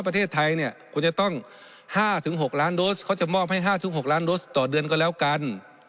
ประเทศไทยเนี่ยควรจะต้อง๕๖ล้านโดสเขาจะมอบให้๕๖ล้านโดสต่อเดือนก็แล้วกัน